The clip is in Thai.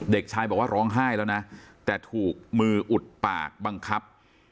เด็กชายบอกว่าร้องไห้แล้วนะแต่ถูกมืออุดปากบังคับ